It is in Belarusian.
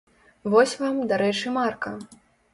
Вось вам, дарэчы, марка.